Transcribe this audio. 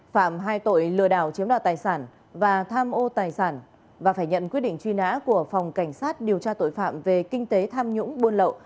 phạm hai tội lừa đảo chiếm đoạt tài sản và tham ô tài sản và phải nhận quyết định truy nã của phòng cảnh sát điều tra tội phạm về kinh tế tham nhũng buôn lậu